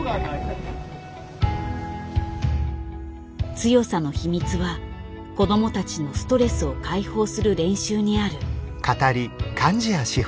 強さの秘密は子どもたちのストレスを解放する練習にある。